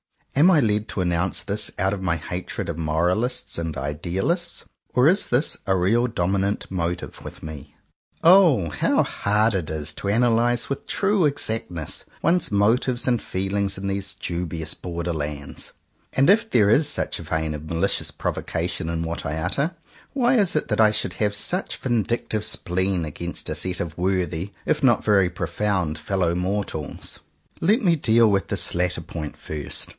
Am I led to announce this out of my hatred of Moralists and Idealists, or is this a real dominant motive with me ? 137 CONFESSIONS OF TWO BROTHERS O! how hard it is to analyze with true exactness one's motives and feehngs in these dubious borderlands! And if there is such a vein of malicious provocation in what I utter, why is it that I should have such vindictive spleen against a set of worthy, if not very profound, fellow mor tals ? Let me do with this latter point first.